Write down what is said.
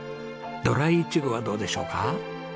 ドライいちごはどうでしょうか？